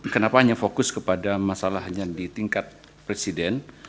kenapa hanya fokus kepada masalah hanya di tingkat presiden